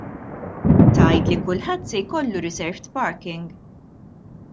Tgħidli: Kulħadd se jkollu reserved parking?